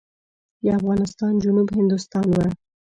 د افغانستان جنوب هندوستان و.